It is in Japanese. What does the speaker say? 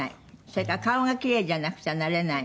それから顔がキレイじゃなくちゃなれない。